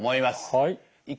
はい。